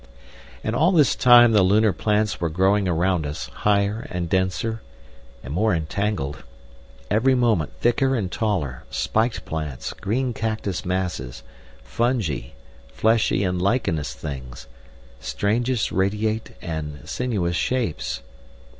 And all this time the lunar plants were growing around us, higher and denser and more entangled, every moment thicker and taller, spiked plants, green cactus masses, fungi, fleshy and lichenous things, strangest radiate and sinuous shapes.